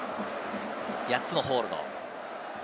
８つのホールド。